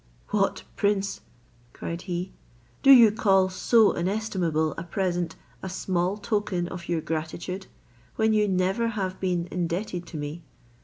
"What! prince," cried he, "do you call so inestimable a present a small token of your gratitude, when you never have been indebted to me?